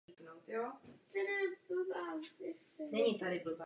Papežské úřady mají dodnes určitou kontrolu nad správou hřbitova.